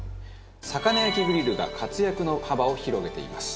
魚焼きグリルが活躍の幅を広げています。